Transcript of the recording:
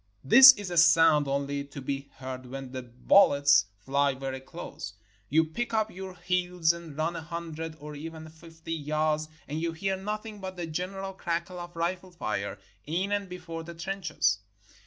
This is a sound only to be heard when the bul lets fly very close. You pick up your heels and run a hundred, or even fifty, yards, and you hear nothing but the general crackle of rifle fire in and before the trenches.